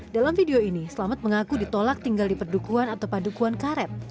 dalam video ini selamat mengaku ditolak tinggal di perdukuan atau padukuan karet